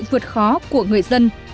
có sự vượt khó của người dân